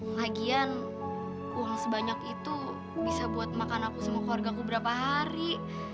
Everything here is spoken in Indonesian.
lagian uang sebanyak itu bisa buat makan aku sama keluarga aku berapa hari